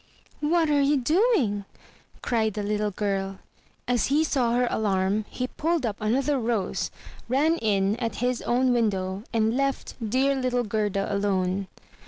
"What are you doing?" cried the Uttle girl. As he saw her 306 THROUGH FAIRY HALLS alarm, he pulled up another rose, ran in at his own window, and left dear little Gerda alone.